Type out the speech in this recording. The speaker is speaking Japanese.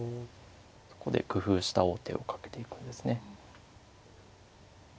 そこで工夫した王手をかけていくんですね。